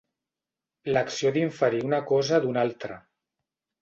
L'acció d'inferir una cosa d'una altra.